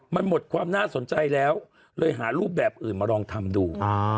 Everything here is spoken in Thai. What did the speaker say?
มันหมดความน่าสนใจแล้วเลยหารูปแบบอื่นมาลองทำดู